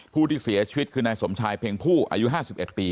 ผู้ที่เสียชีวิตคือนายสมชายเพ็งผู้อายุ๕๑ปี